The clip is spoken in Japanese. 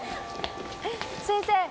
先生！